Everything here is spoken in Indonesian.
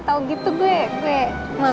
ah itu ada anak itu mulai berkeliudaraan